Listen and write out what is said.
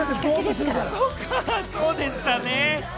そうでしたね。